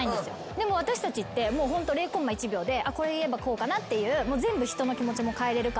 でも私たちってもうホント０コンマ１秒でこれ言えばこうかなっていう人の気持ちも変えれるから。